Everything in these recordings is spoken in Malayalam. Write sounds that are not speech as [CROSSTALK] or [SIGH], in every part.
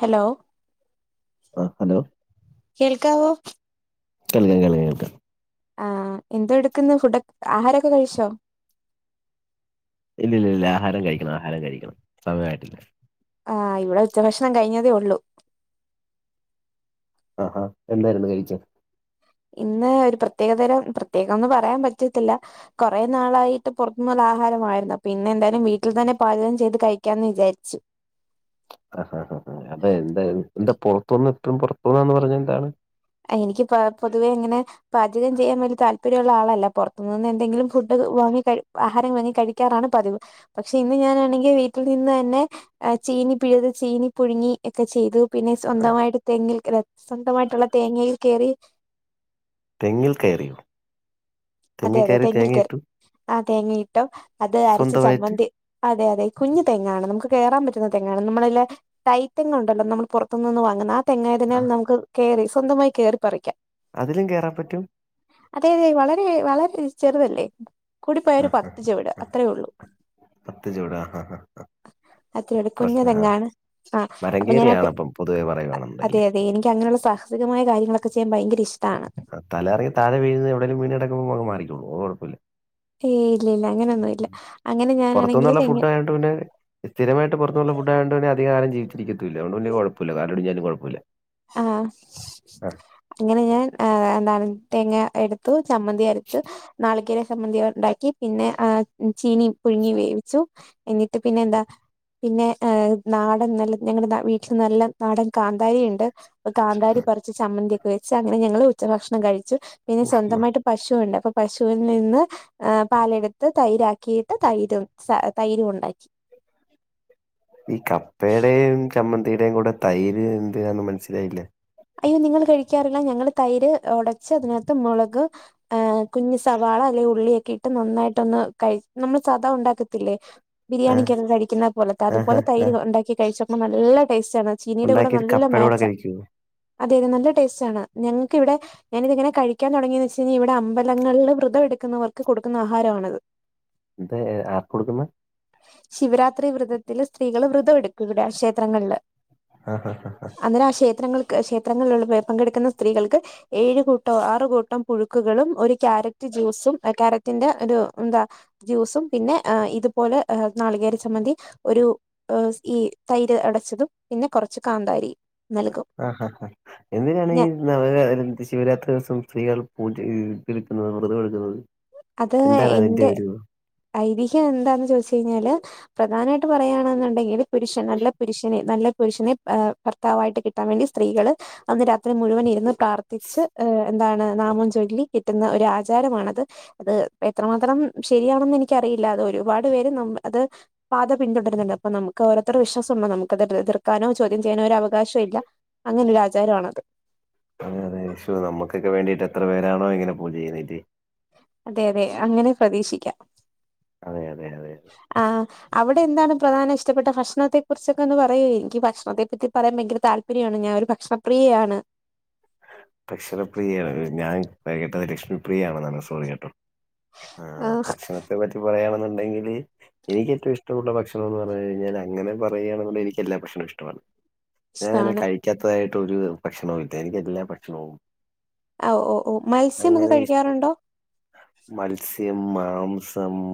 ഹലോ ആഹ് ഹലോ കേൾക്കാവോ കേൾക്കാം കേൾക്കാം കേൾക്കാം ആഹ് എന്തോ എടുക്കുന്നു ഫുഡ് ആഹാരമൊക്കെ കഴിച്ചോ ഇല്ല ഇല്ല ഇല്ല ആഹാരം കഴിക്കണം ആഹാരം കഴിക്കണം സമയമായിട്ടില്ല ആഹ് ഇവിടെ ഉച്ചഭക്ഷണം കഴിഞ്ഞതേ ഉള്ളൂ ആഹാ എന്തായിരുന്നുകയ്ച്ചേ? ഇന്ന് ഒര്പ്രത്യേകതരം പ്രത്യേകംഒന്നും പറയാൻപറ്റത്തില്ല കുറെ നാളായിട്ട്പുറത്ത്ന്നുള്ള ആഹാരമായിരുന്നു അപ്പൊ ഇന്നെന്തായാലും വീട്ടിൽതെന്നെ പാചകംചെയ്ത് കഴിക്കാന്ന് വിചാരിച്ചു. അഹ്, അഹ്, അഹ് അതെ എന്താ എന്താ പൊർത്തുന്ന്ട്ടും പൊറതൂന്നാന്ന്‌ പറഞ്ഞെന്താണ്. അഹ്എനിക്ക് പപൊതുവെ ഇങ്ങനെ പാചകംചെയ്യാൻ വല്യതാല്പര്യള്ള ആളല്ലപൊർത്ത്നിന്ന് എന്തെങ്കിലും ഫുഡ് വാങ്ങികയ് ആഹാരംവാങ്ങി കഴി ക്ക്യാറാണ് പതിവ് പക്ഷെഇന്ന് ഞാനാണെങ്കിൽ വീട്ടിൽ നിന്ന്ന്നെ ചീനിപിഴ്ത് ചീനിപുഴുങ്ങി ഒക്കെചെയ്യ്തു. ആഹ് പിന്നെസ്വന്തമായിട്ട് തെങ്ങിൽ അല്ല സ്വന്തമായിട്ടുള്ള തേങ്ങയിൽകേറി തെങ്ങിൽകേറിയോ അതെ, അതെ തെങ്ങിൽകേറി ആഹ് തേങ്ങയിട്ടു അത്അരച്ച സ്വന്തമായിട്ട് ചമ്മന്തി അതെ, അതെ കുഞ്ഞുതെങ്ങാണ് നമുക്ക്കേറാൻ പറ്റുന്ന തെങ്ങാണ് നമ്മളില്ലെ തൈതെങ്ങുണ്ടല്ലോ നമ്മൾ പൊർത്ത്ന്ന് വാങ്ങുന്ന ആതെങ്ങായതിനാൽ ആഹ് നമുക്ക് കേറി സ്വന്തമായി കേറിപറിക്കാം. അതിലും കേറാൻപറ്റും. അതെതെ വളരെ, വളരെ ചെറുതല്ലേ കൂടിപ്പോയ ആഹ് ഒര്പത്ത്ചെവിട് അത്രയൊള്ളൂ. പത്ത് ചെവിട് അഹ്, അഹ് ആഹ് അത്രോള്ളൂ പ്രശ്നം ആഹ് കുഞ്തെങ്ങാണ് ആ മരം കയറിയാണ് അപ്പൊഞാനതെ അപ്പം പൊതുവെ പറയുവാണെന്നുണ്ടെങ്കില് അതെ തെഎനിക്ക് അങ്ങെയുള്ള സാഹസികമായകാര്യങ്ങളൊക്കെ ചെയ്യാൻ ഭയങ്കരഇഷ്ടമാണ്. തലറങ്ങി താഴെ വീഴുന്നേ എവിടേലും വീണ്കിടക്കുമ്പോ മാറിക്കോള്ളൂ അത് കുഴപ്പില്ല ഏയ് ഇല്ലല്ല അങ്ങനെയൊന്നുല്ല അങ്ങനെ ഞാനാണെങ്കിൽ തെങ് ട്ടുനെ സ്ഥിരമായിട്ട്പൊർത്തുള്ള ഫുഡായോണ്ടെന്നേ അധിക്കാലം ജീവിച്ചിരിക്കത്തുല്ലഅതോണ്ട് വല്ല്യ കൊയപ്പോല്ല കാലൊടിഞ്ഞാലും കൊയപ്പോല്ല ആഹ് അങ്ങനെഞാൻ ആഎന്താണ് തേങ്ങഎട് തുചമ്മന്തിഅരച്ച് നാളികേരസമ്മന്തി ഒണ്ടാക്കി. പിന്നെആചീനി പുഴുങ്ങിവേവിച്ചു എന്നിട്ട് പിന്നെന്താ പിന്നെഹ് നാടൻനല്ലെ ഞങ്ങടെവീട്ടിൽ നല്ല നാടൻ കാന്താരിണ്ട് കാന്താരിപറിച്ച് ചമ്മന്തിയൊക്കെ വെച്ച് അങ്ങനെഞങ്ങള് ഉച്ചഭക്ഷണംകഴിച്ചു പിന്നെസ്വന്തമായിട്ട് പശുണ്ട് അപ്പൊപശുവിൽ നിന്ന് എഹ് പാലെടുത്ത് തൈരാക്കിയിട്ട് തൈരും സ തൈരുംഒണ്ടാക്കി. ഈ കപ്പേടേംചമ്മന്തിയുടെയും കൂടെ തൈര്എന്തിനാന്ന് മനസ്സിലായില്ല. അയ്യോ നിങ്ങൾകഴിക്കാറില്ല ഞങ്ങള് തൈര്ഒടച്ച് അതിനകത്ത്മൊളക് ആഹ് കുഞ്സവാള അല്ലെങ്കിൽ ഉള്ളിയൊക്കെഇട്ട് നന്നായിട്ടൊന്ന്കയ് നമ്മൾസദാ ഉണ്ടാക്കത്തില്ലേ ആ ബിരിയാണികൊകേ കഴിക്കുന്ന പോലത്തെ ആഹ് ആഹ് അതുപോലെതൈര് ആഹ് ഒണ്ടാക്കി കഴിച്ച്പ്പോനല്ലടേസ്റ്റാണ്. ഉണ്ടാക്കിട്ട് ചീനീടെകൂടെനല്ലെ കപ്പയുടെ കൂടെ മേച്ച കഴിക്കുവോ അതെയതെ നല്ല ടേസ്റ്റാണ് ഞങ്ങക്കിവിടെ ഞാനിതിങ്ങനെ കഴിക്കാൻ തുടങ്ങിയെന്ന് വെച്ച്ഞ്ഞാൽ ഇവിടെ അമ്പലങ്ങളിൽ വ്രതംഎടുക്കുന്നവർക്ക് കൊടുക്കുന്ന ആഹാരവാണിത്. [INAUDIBLE] ഇത് ആർക്ക്കൊടുക്കുന്ന ശിവരാത്രി വ്രതത്തില് സ്ത്രീകള് വ്രതം എടുക്കുവടെ ക്ഷേത്രങ്ങളില് ആഹ്, അഹ്, അഹ് അന്നേരം ആക്ഷേത്രങ്ങൾക്ക് ക്ഷേത്രങ്ങളിലുള്ള പങ്കെടുക്കുന്ന സ്ത്രീകൾക്ക് ഏഴ്കൂട്ടോ ആറുകൂട്ടംപുഴുക്കുകളും ഒര് ക്യാരറ്റ്ജ്യൂസും ക്യാരറ്റിന്റെ ഒരുഎന്താ ജ്യൂസും പിന്നെഏ ഇതുപോലെഏ നാളികേരചമ്മന്തി ഒരു എസ് ഈ തൈര്ഒടച്ചതും പിന്നെകൊർച്ച് കാന്താരിനൽകും. ആഹ്, ആഹ് എന്തിനാണി നവരാ ശിവരാത്രി ദിവസം സ്ത്രീകൾ പൂജപിളിക്കുന്നത് വൃതംഎടുക്കുന്നത്? അത്എന്റെ ഐതിഹ്യംഎന്താന്ന് ചോയ്ച്ചയ്ഞ്ഞാല് പ്രധാനമായിട്ട് പറയുകയാണെന്നുണ്ടെങ്കില് പുരുഷൻ നല്ലപുരുഷനെ നല്ല പുരുഷനെ ഭർത്താവായിട്ട് കിട്ടാൻ വേണ്ടി സ്ത്രീകൾ അന്ന് രാത്രി മുഴുവൻ ഇരുന്ന്- പ്രാർത്ഥിച്ച് എന്താണ് നാമം ചൊല്ലി കിട്ടുന്ന ഒരു ആചാരമാണിത്. അത് എത്രമാത്രം ശരിയാണെന്ന് എനിക്കറിയില്ല അത് ഒരുപാട് പേര് അത്- പാത പിന്തുടരുന്നുണ്ട് അപ്പ നമുക്ക് ഓരോരുത്തരു വിശ്വാസുണ്ടോ നമുക്ക്ത് എീർക്കാനോ ചോദ്യം ചെയ്യാനോ ഒരു അവകശോ ഇല്ല- അങ്ങനെ ഒരു ആചാരമാണത്. അ ഈശോ നമ്മക്കെകെ വേണ്ടീട്ട് എത്ര പേരാണോ ഇങ്ങനെ പൂജ ചെയ്യേ- അതെ അതെ അങ്ങനെ പ്രതീക്ഷിക്കാം. അതെ അതെ അതെ ആഹ്. അവിടെ എന്താണ് പ്രധാന ഇഷ്ടപ്പെട്ട ഭക്ഷണത്തെ കുറിച്ചൊക്കെ ഒന്ന് പറയഎനിക്ക് ഭക്ഷണത്തെ പറ്റി പറയാൻ ഭയങ്കര താല്പര്യം- പ്രിയയാണ് ഞാൻ ഒരു ഭക്ഷണപ്രിയയാണ്. അക്ഷരപ്രിയയാണ് ഞാൻ കേട്ടത് ലക്ഷ്മി പ്രിയണെന്നാണ് സോറി കേട്ടോ. ആ ആഹ് ഭക്ഷണത്തെ പറ്റി പറയാണെന്നുണ്ടെങ്കില് എനിക്ക് ഏറ്റവും ഇഷ്ടമുള്ള ഭക്ഷ- അങ്ങനെ പറഞ്ഞ് കഴിഞ്ഞാൽ ഞാൻ അങ്ങനെ പറയാണെന്നുള്ള എനിക്ക് എല്ലാ ഭക്ഷണവും ഇഷ്ടമാണ് ഞാനെ ഇഷ്ടാണ് കഴി. കഴിയാത്തതായിട്ടു ഒരു ഭക്ഷണവും ഇല്ല എനിക്ക് എല്ലാം ഭക്ഷണവും- ഓ ഓ ഓ മത്സ്യമൊക്കെ അങ്ങനെ ഇഷ് കഴിക്കാറുണ്ടോ? മത്സ്യം മാംസം-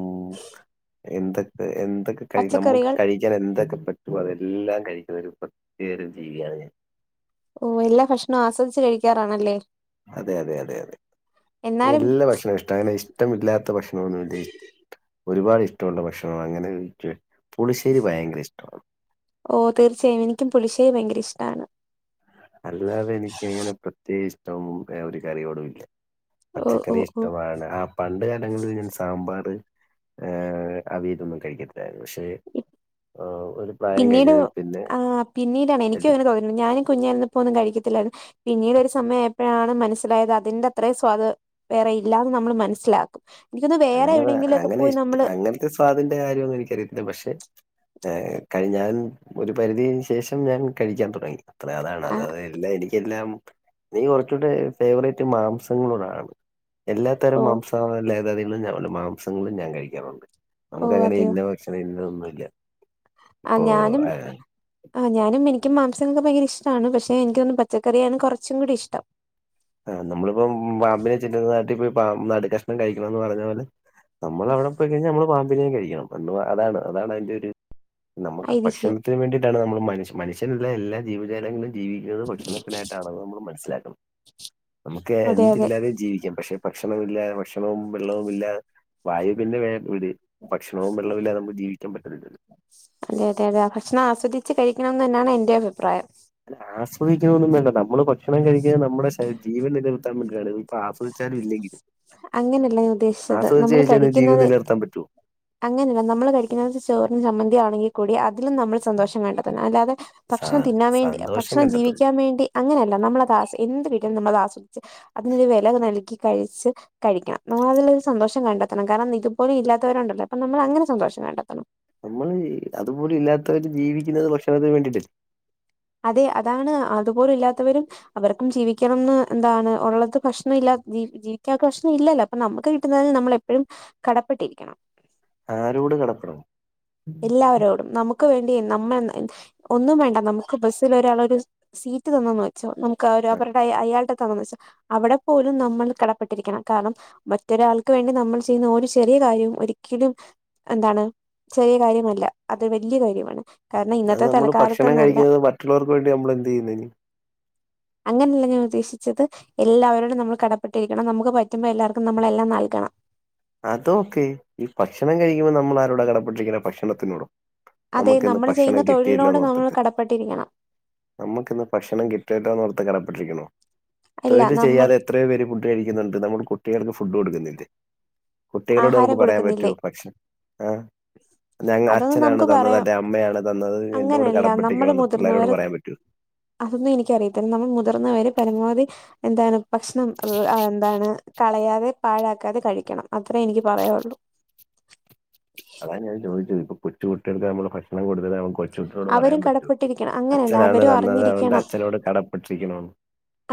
എന്തൊക്കെ എന്തൊക്കെ കഴി നമുക്ക് പച്ചക്കറികൾ കഴി- ഞാൻ എന്തൊക്കെ പറ്റും അതെല്ലാം കഴിക്കുന്ന ഒരു പ്രത്യേക തരം ഒരു ജീവിയാണ് ഞാൻ- ഓഹ് എല്ലാഭക്ഷണവും ആസ്വദിച്ച് കഴിക്കാറാണല്ലേ അതെ അതെ അതെ അതെ എന്നാലും എല്ലാ ഭക്ഷണ ഇഷ്ട അങ്ങനെ ഇഷ്ടമില്ലാത്ത ഭക്ഷണമൊന്നും- ഒരുപാട് ഇഷ്ടമുള്ള ഭക്ഷണ അങ്ങനെ പുളിശ്ശേരി ഭയങ്കര ഇഷ്ടമാണ്. ഓ തീർച്ചയായും എനിക്കും പുളിശ്ശേരി ഭയങ്കര ഇഷ്ടമാണ്. അല്ലാതെ എനിക്ക് എങ്ങനെ പ്രത്യേക ഇഷ്ടവും ഒരു കറിയോടുമില്ല. ഓ ഓ പച്ചക്കറി ഓ ഇഷ്ടമാണ് ആ- പണ്ട് കാലങ്ങളിൽ ഞാൻ സാമ്പാർ അവയിൽ ഒന്നും കഴിക്കത്തില്ലായിരുന്നു പക്ഷെ- ആഹ്.. പിന്നീട് ആ പിന്നീടാണ് എനിക്കും എല്ല- അങ്ങനെ തോന്നുന്നത് ഞാനും കുഞ്ഞാരുന്നപ്പോ ഒന്നും കഴിക്കത്തിലാരിന്നു. പിന്നീട് ഒരു സമയം എപ്പോഴാണ് മനസ്സിലായത് അതിന്റെ അത്രയും സ്വാദ്- വേറെ ഇല്ലന്ന് നമ്മള് മനസ്സിലാക്കും എനിക്കൊന്ന് വേറെ അങ്ങനെ വ- എവിടെയെവിടെ ഒക്കെ അങ്ങനെ പോയി ഇഷ്ട നമ്മള്- അങ്ങനത്തെ സ്വാദിന്റെ കാര്യമൊന്നും എനിക്ക് അറി യിത്തില്ല പക്ഷെ- കഴി ഞാൻ ഒരു പരിധിന് ശേഷം ഞാൻ കഴിക്കാൻ തുടങ്ങി അത്ര അതാണ് അത- അല്ല എനിക്കെല്ലാം എനിക്ക് കുറച്ചുകൂടെ ഫേവറേറ്റ് മാംസങ്ങളടാണ്- എല്ലാത്തരം ഓ മാംസ ലേതാതികും മാംസങ്ങളും ഞാൻ കഴിക്കാറുണ്ട്. ഓ നമുക്ക് അങ്ങനെ അതെയോ ഇന്ന ഭക്ഷണം ഇന്ന ഒന്നുമല്ല. ആ ഞാനും- ആഹ ഞാനും എനിക്കും മംസങ്ങളൊക്കെ ഭയങ്കര ഇഷ്ടമാണ് പക്ഷെ എനിക്ക് തോന്നുന്നു പച്ചക്കറിയാണ് കുറച്ചും കൂടി ഇഷ്ടം- ആഹ് നമ്മളിപ്പം പാമ്പിനെ ചിന്നുനാട്ടിപ്പോ നടു കഷ്ണം കഴിക്കണന്ന് പറഞ്ഞ പോലെ- നമ്മൾ അവിടെ പോയി കഴിഞ്ഞാൽ നമ്മള് പാമ്പിനെയും കഴിക്കണം പ അതാണ് അതാണ് അതിന്റെറെ ഒരു നമ്മുക്ക് ഭക്ഷണം- ഐതിഹ്യം ഭക്ഷണത്തിന് വേണ്ടിയിട്ടാണ് നമ്മൾ മനുഷ്യ മനുഷ്യയനുള്ളല്ല ജീവജാലങ്ങളും ജീവിക്കുന്നത് ഭക്ഷണത്തിയിട്ടാണെന്ന് നമ്മൾ മനസ്സിലാക്കണം. നമുക്ക് അതെ അതെ എന്തിലാതെയും ജീവിക്കാം പക്ഷെ ഭക്ഷണമില്ല ഭക്ഷണവും വെള്ളവുമില്ലാതെ- വായു പിന്നെ എ വിട് ഭക്ഷണവും വെള്ളമില്ലാതെ നമുക്ക് ജീവിക്കൻ പറ്റത്തില്ല. അതെയ അതെ അതെ ഭക്ഷണം ആസ്വദിച്ച് കഴിക്കണന്ന് തന്നാണ് എന്റെയും അഭിപ്രായം. ആസ്വദിക്കുന്നൊന്നും വേണ്ട നമ്മള് ഭക്ഷണം കഴിക്കുന്നത് നമ്മുടെ ശരീ ജീവൻ നിലനിർത്താൻ വേണ്ടിയാണ്. ആസ്വദിച്ചാലും ഇല്ലെങ്കിലും- അങ്ങനെയല്ല ഞാൻ ഉദ്ദേശിച്ചത് ആസ്വദിച്ച് നമ്മള് കഴിച്ചാൽ ജീവൻ കഴിക്കുന്നത്- നിലനിർത്താൻ പറ്റോ അങ്ങനെയല്ല നമ്മള് കഴിക്കുന്ന ചോറിന് ചമന്തി ആണെങ്കിൽ കൂടി അതിലും നമ്മൾ- സന്തോഷം വേണ്ടത് അല്ലതെ സ ഭക്ഷണം തിന്നാൻ വേണ്ടി സന്തോഷം ഭക്ഷണം കണ്ടെത്തുന്നു. ജീവിക്കാൻ വേണ്ടി- അങ്ങനെയല്ല നമ്മളത് ആസ്വദിച്ച് എന്ത് കിട്ടാലും നമ്മളത് ആസ്വദിച്ച് അതിനൊരു വില നൽകി കഴിച്ച്- കഴിക്കണം നമ്മൾ അതിലൊരു സന്തോഷം കണ്ടെത്തണം കാരണം ഇതുപോലും ഇല്ലാത്തവരുണ്ടല്ലോ അപ്പൊ നമ്മൾ അങ്ങനെ സന്തോഷം കണ്ടെത്തണം. നമ്മള് അതുപോലെ ഇല്ലാത്തവര് ജീവിക്കുന്നത് ഭക്ഷണത്തിന് വേണ്ടിയിട്ട്ല്ലേ അതെ അതാണ് അതുപ്പോലും ഇല്ലാത്തവരും അവർക്കും ജീവിക്കണംന്ന് എന്താണ് ഒള്ളത് പ്രശ്നം ഇല്ല ജീവിക്കാൻ പ്രശ്നം ഇല്ലലോ നമുക്ക് കിട്ടുന്നതിൽ നമ്മളെപ്പോഴും കടപ്പെട്ടിരിക്കണം ആരോട് കടപ്പേടും എല്ലാവരോടും നമുക്ക് വേണ്ടി നമ്മ ഒന്നും വേണ്ട നമുക്ക് ബസ്സിൽ ഒരാളൊരു സീറ്റ് തന്നെന്നു വെച്ചോ നമുക്ക് അഹ് ഒരു ആ, അവരുടെ അയാളുടെ തന്നെന്ന് വെച്ചോ അവടെ പോലും നമ്മൾ കടപ്പെട്ടിരിക്കണം കാരണം മറ്റൊരാൾക്ക് വേണ്ടി നമ്മൾ ചെയ്യുന്ന ഒരു ചെറിയ കാര്യം ഒരിക്കിലും എന്താണ് [UNINTELLIGIBLE] കാര്യമല്ല അത് വലിയ കാര്യമാണ് കാരണം അത് ഇന്നത്തെ നമ്മൾ ഭക്ഷണം തലക്കാലത്തെന്നല്ല കഴിക്കുന്നത് മറ്റുള്ളവർക്കുവേണ്ടി നമ്മള് എന്തു ചെയ്യുന്നതിന് അങ്ങനല്ല ഞാൻ ഉദ്ദേശിച്ചത് എല്ലാവരോടും നമ്മൾ കടപ്പെട്ടിരിക്കണം നമുക്കുപ്പറ്റുമ്പോൾ എല്ലാവർക്കും നമ്മളെല്ലാം നൽകണം അത് ഒക്കെ ഈ ഭക്ഷണം കഴിക്കുമ്പോൾ നമ്മൾ ആരോട കടപട്ടിരിക്കുന്നത് ഭക്ഷണത്തിനോടോ അതെ നമുക്കിന്ന് നമ്മൾ ചെയ്യുന്ന ഭക്ഷണം തൊഴിലിനോട് നമ്മൾ കിട്ടിയല്ലോന്നോർത്തിട്ട് കടപ്പെട്ടിരിക്കണം നമുക്ക് ഇന്ന് ഭക്ഷണം കിട്ടിയല്ലോന്നോർത്തിട്ട് കടപ്പെട്ടിരിക്കണോ അല്ല തൊഴിൽ നമ്മൾ ചെയ്യാതെ എത്രയോ പേര് ഫുഡ് കഴിക്കുന്നുണ്ട് നമ്മൾ കുട്ടികൾക്ക് ഫുഡ് കൊടുക്കുന്നില്ലേ കുട്ടികളോട് നമുക്ക് ആഹാരം പറയാൻ കൊടുക്കുന്നില്ലേ പറ്റുവോ ഭക്ഷണം [UNINTELLIGIBLE] അതൊന്നും അച്ഛനാണ് നമുക്ക് തന്നത് പറയാം അന്റെ അമ്മയാണ് തന്നത് എന്നോട് അങ്ങനെയല്ല നമ്മള് കടപ്പെട്ടിരിക്കണമെന്ന് പിള്ളരോട് മുതിർന്നവർ പറയാൻ പറ്റോ അതൊന്നും എനിക്കറിയത്തില്ല നമ്മൾ മുതിർന്നവര് പരമാവധി എന്താണ് ഭക്ഷണം അഹ് എന്താണ് കളയാതെ പാഴാക്കാതെ കഴിക്കണം അത്രേ എനിക്ക് പറയാള്ളൂ അതാണ് ഞാൻ ചോദിച്ചത് ഇപ്പംകൊച്ചു കുട്ടികൾക്ക് നമ്മൾ ഭക്ഷണം കൊടുത്തത് കുട്ടികളോട് അവരും പറയാൻ പറ്റോ കടപ്പെട്ടിരിക്കണം അങ്ങനെയല്ല അച്ഛനാണ് അവരും തന്നത് അതുകൊണ്ട് അറിഞ്ഞിരിക്കണം അച്ഛനോട് കടപ്പെട്ടിരിക്കണോന്ന്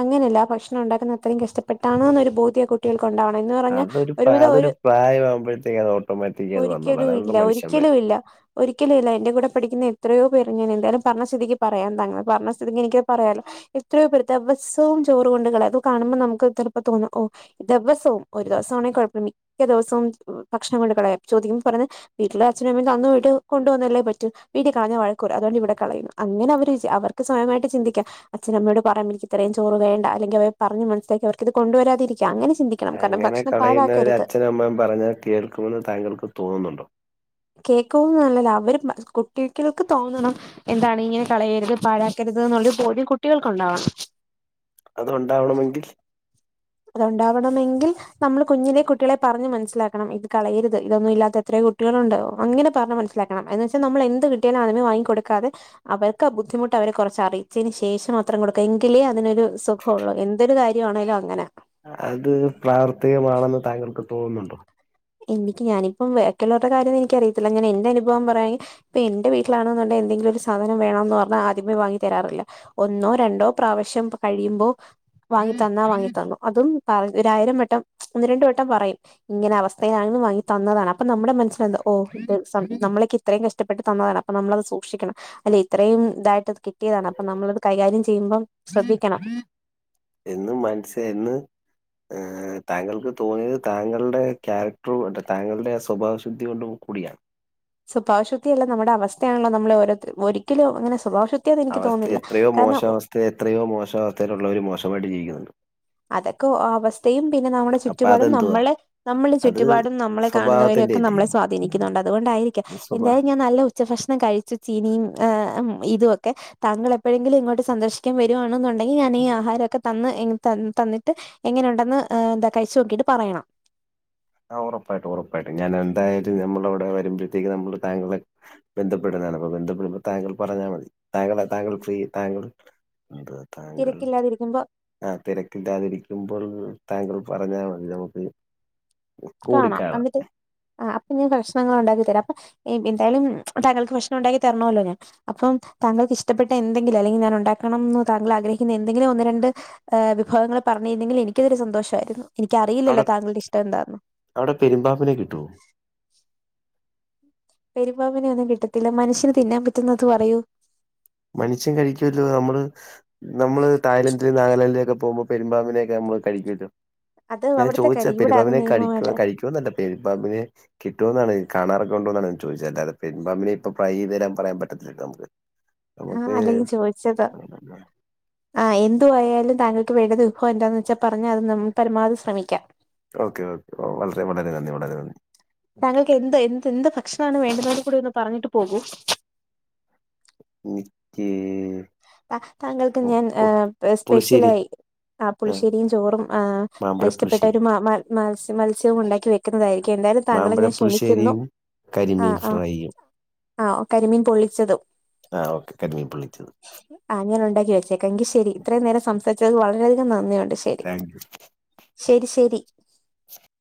അങ്ങനെയല്ല ആ ഭക്ഷണം ഉണ്ടാക്കുന്ന അത്രയും കഷ്ടപ്പെട്ടാണ് ഒരു ബോധ്യ കുട്ടികൾ ഉണ്ടാവണം എന്ന് പറഞ്ഞാൽ അതൊരു പ്രാ- ഒരുവിധം ഒരു അതൊരു പ്രായമാകുമ്പോഴത്തേക്ക് അത് ഓട്ടോമാറ്റിക് അത് വന്നോളൂ ഒരിക്കലും ഇല്ല അതാണല്ലോ ഒരി മനുഷ്യന്മാർ ഒരിക്കലും ഇല്ല ഒരിക്കലും ഇല്ല എന്റെ കൂടെ പഠിക്കുന്ന എത്രയോ പേര് ഞാൻ എന്തായാലും പറഞ്ഞ സ്തിഥിക്ക് പറയാൻ തന്നോട് പറഞ്ഞ സ്ഥിതിക്ക് എനിക്കത് പറയാലോ എത്രയോ പേർ ദിവസവും ചോറും കൊണ്ട് കളയും അപ്പോ കാണുമ്പോൾ നമുക്ക് ചിലപ്പോൾ തോന്നും ഓ ദിവസവും ഒരു ദിവസമാണേങ്കിൽ കുഴപ്പമില്ല മിക്ക ദിവസവും ഭക്ഷണം കൊണ്ട് കളയും ചോദിക്കു മ്പോൾ പറഞ് വീട്ടില അച്ഛനമ്മ കണ്ണ് വെട്ടി കൊണ്ടുവന്നല്ലേ പറ്റു വീട്ടികളഞ്ഞ വഴക്കൂപറയും അതുകൊണ്ടിവിടെ കളയുന്നു അങ്ങനെ അവര് അവർക്ക് സ്വയമായിട്ട് ചിന്തിക്കാണം അച്ഛനമ്മയോട് പറയ ഇത്രയും ചോറ് വേണ്ട അല്ലെങ്കിൽ അവരെ പറഞ്ഞ് മനസ്സിലാക്കി അവർക്കിത് കൊണ്ടുവരാതിരിക്ക അങ്ങനെ ചിന്തിക്കണം കാരണം അങ്ങനെ ഭക്ഷണം കളയുന്നവര് പാഴാക്കരുത് അച്ഛന മ്മയും പറഞ്ഞ കേൾക്കുമെന്ന് താങ്കൾക്ക് തോന്നുന്നുണ്ടോ കേൾക്കുന്നതല്ല അവര് കുട്ടികൾക്ക് തോന്നണം എന്താണ് ഇങ്ങനെ കളയരുത് പാഴാക്കരുത് എന്നുള്ളരു ബോദ്യം കുട്ടികൾക്കുണ്ടാവണം അതുണ്ടാവണമെങ്കിൽ അതുണ്ടാവണമെങ്കിൽ നമ്മൾ കുഞ്ഞിലെ കുട്ടികളെ പറഞ്ഞ് മനസ്സിലാക്കണം ഇത് കളയരുത് ഇതൊന്നും ഇല്ലത്ത എത്രയോ കുട്ടികളുണ്ട് അങ്ങനെ പറഞ്ഞു മനസ്സിലാക്കണം അഹ് എന്ന് വെച്ചൽ നമ്മൾ എന്ത് കിട്ടിയാലും അതന്നെ വാങ്ങി കൊടുക്കാെതെ അവർക്ക് ആ ബുദ്ധിമുട്ട് അവരെ കുറച്ച് അറിയിച്ചതിന് ശേഷമാത്രം കൊടുക്കാം എങ്കിലേ അതിനൊരു ക്കൊള്ള എന്തൊരു കാര്യോണേലും അങ്ങനെ അത് പ്രാവർത്തികമാണെന്ന് താങ്കൾക്ക് തോന്ന്ന്നുണ്ടോ എനിക്ക് ഞാനിപ്പം ബാക്കിള്ളവരുടെ കാര്യം എനിക്കറിയത്തില്ല ഞാൻ എന്റെ അനുഭവം പറയ ഇപ്പൊ എന്റെ വീട്ടിലണെന്നുണ്ടെകിൽ എന്തെങ്കിലും ഒരു സാധനം വേണം എന്ന് പറഞ്ഞാ ആദ്യമേ വാങ്ങി തരാറില്ല ഒന്നോ രണ്ടോ പ്രാവിശ്യം കഴിയുമ്പോ വാങ്ങി തന്നാ വാങ്ങി തന്നു അതും പറ ഒരയിരം വട്ടം ഒന്ന് രണ്ട് വട്ടം പറയും ഇങ്ങനെ അവസ്ഥ [UNINTELLIGIBLE] വങ്ങി തന്നതാണ് അപ്പൊ നമ്മുടെ മനസ്സിൽ എന്ത ഓ നമ്മളക്കിത്തറേം കഷ്ടപ്പെട്ട് തന്നതാണ് നമ്മളത് സൂക്ഷിക്കണം അതെ ഇത്രയുംതായിട്ട്ത് കിട്ടിയതാണ് അപ്പൊ നമ്മളത് കൈകാര്യം ചെയ്യുമ്പം ശ്രദ്ധിക്കണം എന്നും‌ മനസിലായില്ല എന്ന് ആ താങ്കൾക്ക് തോന്നിയത് താങ്കളുടെ ക്യാരക്ടറും അ താങ്കളുടെ സ്വഭാവശുദ്ധി കൊണ്ട് കൂടിയാണ് സ്വഭാവശവത്തി അല്ല നമ്മുടെ അവസ്ഥയാണല്ലോ നമ്മള് ഓരോ ഒരിക്കലും അങ്ങനെവഭാവ ക എനിക്ക് അവസ്ഥ തോന്നുന്നില്ല എത്രയോ കാരണം മോശാവസ്ഥ എത്രയോ മോശ അവസ്ഥയിലുള്ളവർ മോശമായിട്ട് ജീവിക്കുന്നുണ്ട് അതൊക്കെ അവസ്ഥയും പിന്നെ നമ്മുടെ അപ്പൊ ചുറ്റുപാടും അതെന്തുവാ നമ്മള് നമ്മളുടെ അത് ചുറ്റുപാടും നമ്മളെ കാണുന്നവരും സ്വഭാവത്തിന്റെ ഒക്കെ അല്ലേ നമ്മളെ സ്വാധീനിക്കുന്നുണ്ട് അതുകൊണ്ടായിരിക്കാം അത് സ്വഭാ എന്തായാലും ഞാൻ നല്ല ഉച്ച ഭക്ഷണം കഴിച്ചു ചീനിയും ഇതൊക്കെ താങ്കൾ എപ്പഴങ്കിലുംങ്ങോട്ട സന്ദർശിക്കാൻ വരുവാണെന്നണ്ട അണ്ടെങ്കിൽ ഞാൻീഈ ആഹാരക്കെ ത തന്നിട്ട് എങ്ങനെുണ്ടെന്ന് എന്താ കഴിച്ച്ച് നോക്കിട്ട് പറയണം ആ ഉറപ്പായിട്ട് ഉറപ്പായിട്ട് ഞാൻ എന്തായാലും നമ്മള അവിടെ വരുമ്പോഴത്തേക്ക് നമ്മള് താങ്കൾ ബന്ധപ്പെടുന്നതാണ് അപ്പൊ ബന്ധപ്പെടുമ്പോ താങ്കൾ പറഞ്ഞാൽ മതി താങ്കൾ താങ്കൾ ഫ്ര താങ്കൾ അ താങ്കൾ രിക്കുമ്പോ ആ തിരക്ക ഇല്ലാതിരിക്കുമ്പോൾ താങ്കൾ പറഞ്ഞാൽ മതി നമുക്ക് കാണാം കൂടിക്കാണാം എന്നിട്ട് ആ അപ്പൊ ഞൻ കഷ്ണങ്ങൾ ഉണ്ടാക്കി തരാം അപ്പൊ എന്താലും തങ്കൾക്ക്ഭക്ക്ഷണം ഉണ്ടാക്കി തരണമല്ലോ ഞാൻ അപ്പം താങ്കൾക്ക് ഇഷ്ടപ്പെട്ട എന്തെങ്കിലും അല്ലെങ്കിൽ ഞാൻ ഉണ്ടാക്കണംന്ന് താങ്കൾ ആഗ്രഹിക്കുന്ന എന്തെങ്കിലും ഒന്ന് രണ്ട് ഹ വിഭവങ്ങൾ പറഞ്ഞിരുന്നെങ്കിൽ എനിക്ക ഇതൊ സന്തോഷമായിരുന്നു അവിടെ എനിക്കറിയില്ലോ താങ്കളുടെ ഇഷ്ടം എന്താരുന്നു അവിടെ പെരുമ്പാപ്പിനെ കിട്ടുവോ [INAUDIBLE] പെരുപാബിവിനെ ഒന്നും കിട്ടത്തില്ല മനുഷ്യന് തിന്നാൻ പറ്റുന്നുന്നത് അത് പറയോ മനുഷ്യ കഴിക്കല്ലോ നമ്മള് നമ്മള് തായ്ലന്റിലും നാഗാലാന്ൻഡിലും ഒക്കെ പോകുമ്പോൾ പെരുമ്പാമ്പിനെ നമ്മള് കഴിക്കല്ലോ അത് ൻ അവിടുത്തെ ചോദിച്ചാ കാര്യം ഇവിടെ അത് പെരുമ്പാബിനെ നിയമമല്ലേ കഴിക്കുവന്നല്ല പെരുപ്പാബിനെ കിട്ടുമ എന്നാണ് കാണാറക്കെണ്ടോന്നാണ് ചോദിച്ചല്ലാെൻാമ്പിനെ ഇപ്പൊ ഫ്രൈ തരാൻ പറയാൻ പറ്റത്തില്ലോ നമുക്ക് ആഹ്, നമുക്ക് അല്ലെങ്കിൽ ചോദിച്ചതാ. ആഹ്, എന്ത് [UNINTELLIGIBLE] ലും താങ്കൾക്ക് വേണ്ടത് ഉഹൊ എന്താന്ന് വെച്ചാൽ പറഞ്ഞ അത് നമ്മൾ പരമാവധി ശ്രമിക്കാം. Okay, okay. വളരെ വളരെ നന്ദി വളരെ നന്ദി താങ്കൾക്ക് എന്ത് എന്ത് എന്ത് ഭക്ഷണാണ് വേണ്ടത് [UNINTELLIGIBLE] കൂടി ഒന്ന് പറഞ്ഞിട്ട് പോകൂ. ഓക്കേ. താ താങ്കൾക്ക് ഞാൻ ഏഹ് പുളിശ്ശേരി സ്പെഷ്യലായി ആഹ്, ആ പുളിശ്ശേരിയും, ചോറും ആഹ് മാമ്പഴ ഇഷ്ടപ്പെട്ട പുളിശ്ശേരി ഒരു മ മ മത്സ്യ മത്സ്യവും ഉണ്ടാക്കി വെ ക്കുന്നതായിരിക്കും. എന്തായാലും താങ്കളെ മാമ്പഴ ഞാൻ ക്ഷണിക്കുന്നു. പുളിശ്ശേരിയും കരിമീൻ ആഹ്, ആഹ് ഫ്രൈയും ആ കരിമീൻ പൊള്ളിച്ചതും ആഹ്, ഓക്കെ. കരിമീൻ പൊള്ളിച്ചത്. ആഹ്, അങ്ങനെ ഉണ്ടാക്കി വച്ചേക്ക. എങ്കി ശരി. ഇത്രയും നേരം സംസാരിച്ചതിന് വളരെയധികം നന്ദിയുണ്ട്. ശ താങ്ക് യു [UNINTELLIGIBLE] ശരി ശരി [INAUDIBLE]